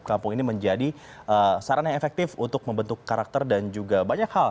kampung ini menjadi sarana yang efektif untuk membentuk karakter dan juga banyak hal